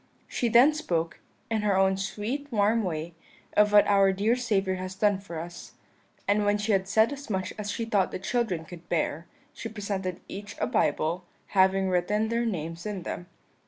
She then spoke, in her own sweet warm way, of what our dear Saviour has done for us, and when she had said as much as she thought the children could bear, she presented each a Bible, having written their names in them.